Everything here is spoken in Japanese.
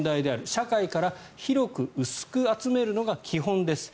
社会から広く薄く集めるのが基本です。